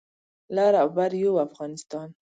لر او بر یو افغانستان